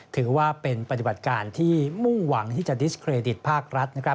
ถือว่าเป็นปฏิบัติการที่มุ่งหวังที่จะดิสเครดิตภาครัฐ